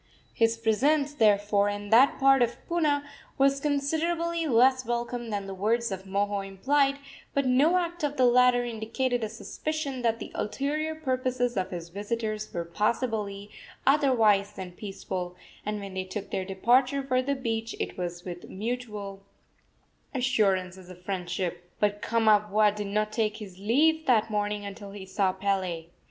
His presence, therefore, in that part of Puna, was considerably less welcome than the words of Moho implied; but no act of the latter indicated a suspicion that the ulterior purposes of his visitors were possibly otherwise than peaceful, and when they took their departure for the beach it was with mutual assurances of friendship. But Kamapuaa did not take his leave that morning until he saw Pele.